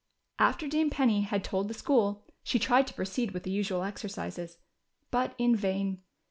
After Dame Penny had told the school, she tried to proceed with the usual exercises. But in vain.